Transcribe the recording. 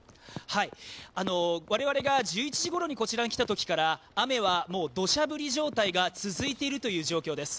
我々が１１時ごろにこちらに来たときから雨はもうどしゃ降り状態が続いているという状況です。